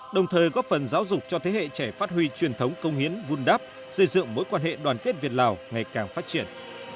đồng thời góp phần giáo dục cho thế hệ trẻ phát huy truyền thống công hiến vun đắp xây dựng mối quan hệ đoàn kết việt lào ngày càng phát triển